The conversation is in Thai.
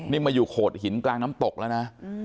นี่มาอยู่โขดหินกลางน้ำตกแล้วนะ